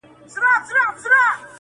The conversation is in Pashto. o کمزوری سوئ يمه، څه رنگه دي ياده کړمه.